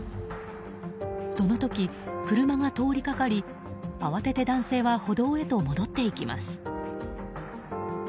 その時、車が通りかかり慌てて男性は歩道へと戻っていきます。